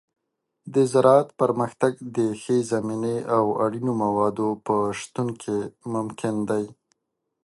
د زراعت پرمختګ د ښې زمینې او اړین موادو په شتون کې ممکن دی.